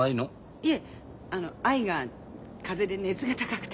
いえあの藍が風邪で熱が高くて。